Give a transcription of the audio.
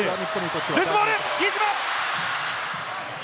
ルーズボール、比江島！